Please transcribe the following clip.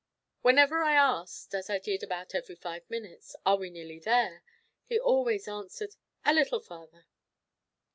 Whenever I asked (as I did about every five minutes), "Are we nearly there?" he always answered, "A little farther."